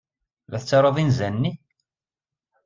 La tettaruḍ inzan-nni?